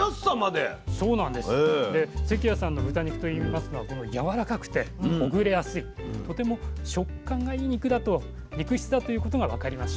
で関谷さんの豚肉といいますのはやわらかくてほぐれやすいとても食感がいい肉だと肉質だということが分かりましたね。